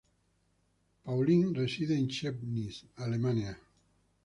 Pauline reside en Chemnitz, Alemania.